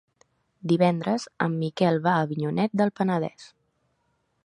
Divendres en Miquel va a Avinyonet del Penedès.